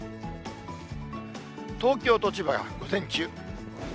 東京と千葉、午前中。